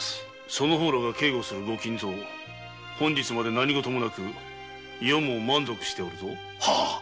その方らが警護する御金蔵本日まで何ごともなく余も満足しておるぞ。